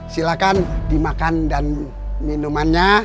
silahkan dimakan dan minumannya